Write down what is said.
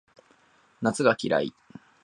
夏が嫌い